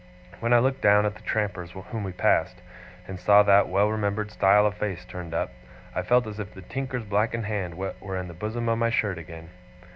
When I looked down at the trampers whom we passed, and saw that well remembered style of face turned up, I felt as if the tinker's blackened hand were in the bosom of my shirt again.